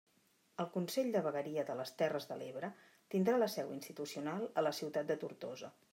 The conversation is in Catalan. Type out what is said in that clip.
El Consell de Vegueria de les Terres de l'Ebre tindrà la seu institucional a la ciutat de Tortosa.